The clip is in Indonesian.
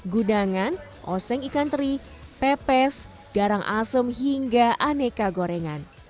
gudangan oseng ikan teri pepes garang asem hingga aneka gorengan